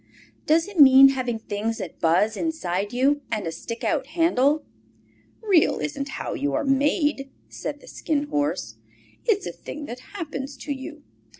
"Does it mean having things that buzz inside you and a stick out handle?" "Real isn't how you are made," said the Skin Horse. "It's a thing that happens to you.